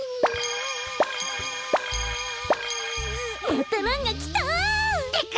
またランがきた！ってか！